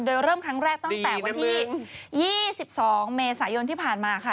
โดยเริ่มครั้งแรกตั้งแต่วันที่๒๒เมษายนที่ผ่านมาค่ะ